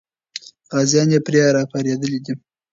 غازیان یې پرې راپارېدلي دي.